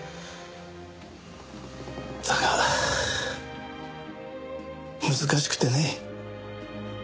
だが難しくてね。